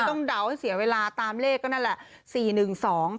ไม่ต้องเดาเสียเวลาตามเลขก็นั่นแหละ